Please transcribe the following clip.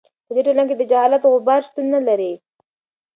په دې ټولنه کې د جهالت غبار شتون نه لري.